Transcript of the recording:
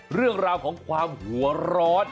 เรื่องราวของความหัวร้อน